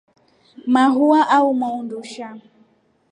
Maua ahumwaa undusha.